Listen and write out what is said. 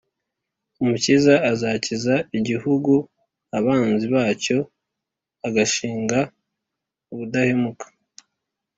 umukiza uzakiza igihugu abanzi bacyo agashinga ubudahemuka